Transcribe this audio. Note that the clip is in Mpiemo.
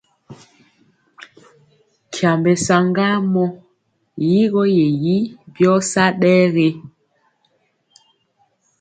Nkyambe saŋgamɔ! Yigɔ ye yi byɔ sa ɗɛ ge?